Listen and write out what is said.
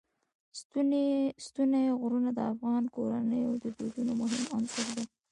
ستوني غرونه د افغان کورنیو د دودونو مهم عنصر دی.